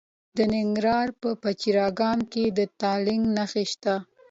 د ننګرهار په پچیر اګام کې د تالک نښې شته.